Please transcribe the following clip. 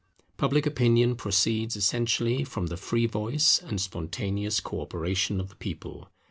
Public Opinion proceeds essentially from the free voice and spontaneous co operation of the people.